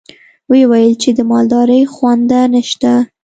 ويې ويل چې د مالدارۍ خونده نشته.